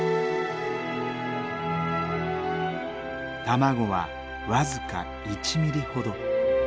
卵はわずか１ミリほど。